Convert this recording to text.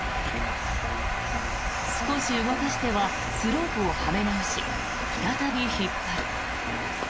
少し動かしてはスロープをはめ直し再び引っ張る。